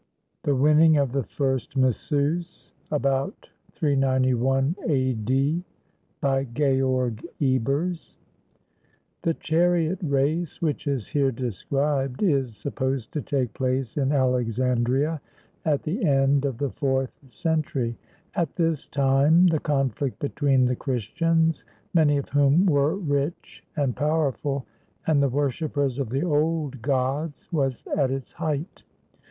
THE WINNING OF THE FIRST MISSUS [About 391 A.D.] BY GEORG EBERS [The chariot race which is here described is supposed to take place in Alexandria at the end of the fourth century. At this time the conflict between the Christians, many of whom were rich and powerful, and the worshipers of the old gods was at its height.